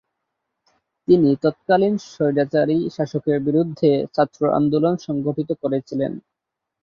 তিনি তৎকালীন স্বৈরাচারী শাসকের বিরুদ্ধে ছাত্র আন্দোলন সংগঠিত করেছিলেন।